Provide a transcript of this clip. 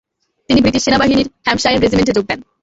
তিনি ব্রিটিশ সেনাবাহিনীর হ্যাম্পশায়ার রেজিমেন্টে যোগ দেন।